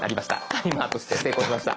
タイマーとして成功しました。